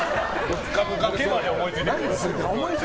受けまで思いついてる。